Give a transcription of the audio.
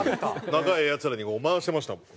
仲ええヤツらに回してましたもん。